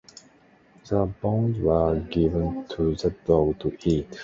The bones were given to the dog to eat.